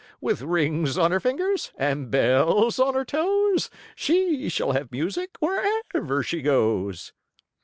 With rings on her fingers and bells on her toes, She shall have music wherever she goes."